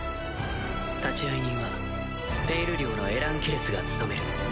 立会人はペイル寮のエラン・ケレスが務める。